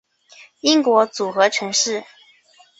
英国组合城市